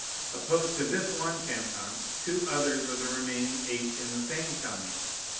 Oppose to this one canton two others of the remaining eight in the same commune.